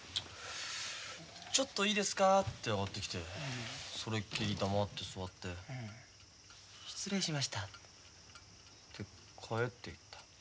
「ちょっといいですか」って上がってきてそれっきり黙って座って「失礼しました」って帰っていった。